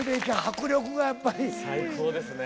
最高ですね。